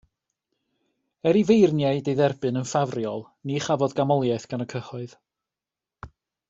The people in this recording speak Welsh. Er i feirniaid ei dderbyn yn ffafriol, ni chafodd ganmoliaeth gan y cyhoedd.